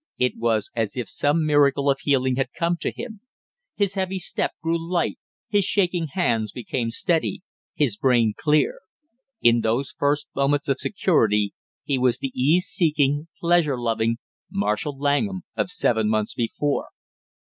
It was as if some miracle of healing had come to him; his heavy step grew light, his shaking hands became steady, his brain clear; in those first moments of security he was the ease seeking, pleasure loving Marshall Langham of seven months before.